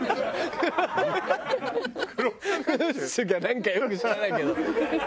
なんかよく知らないけど。